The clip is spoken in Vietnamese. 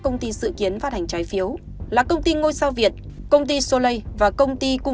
công ty sự kiến phát hành trái phiếu